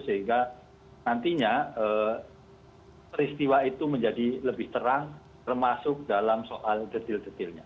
sehingga nantinya peristiwa itu menjadi lebih terang termasuk dalam soal detil detilnya